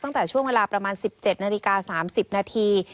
ตั้งแต่ช่วงเวลาประมาณ๑๗นาฬิกา๓๐นาที